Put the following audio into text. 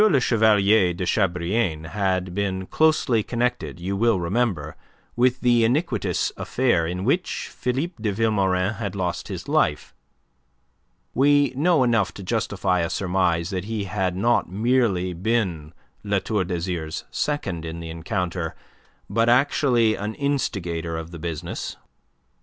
Le Chevalier de Chabrillane had been closely connected, you will remember, with the iniquitous affair in which Philippe de Vilmorin had lost his life. We know enough to justify a surmise that he had not merely been La Tour d'Azyr's second in the encounter, but actually an instigator of the business.